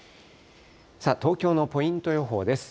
さあ、東京のポイント予報です。